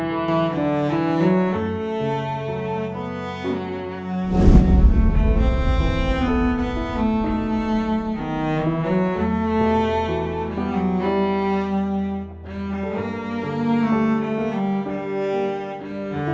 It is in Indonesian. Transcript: masalah aku apa mas